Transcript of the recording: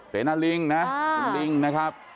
เสนาลิงนะคุณลิงนะครับ